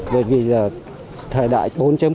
bởi vì giờ thời đại bốn